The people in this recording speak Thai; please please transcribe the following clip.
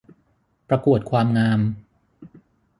ประกวดความงาม